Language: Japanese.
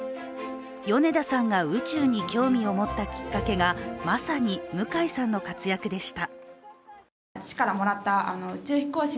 米田さんが宇宙に興味を持ったきっかけが、まさに向井さんの活躍でした。